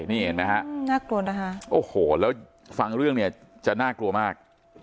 นี่เห็นไหมฮะน่ากลัวนะคะโอ้โหแล้วฟังเรื่องเนี่ยจะน่ากลัวมาก